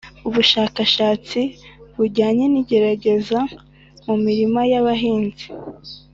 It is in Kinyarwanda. ubushakashatsi bujyanye n'igerageza mu mirima y' abahinzi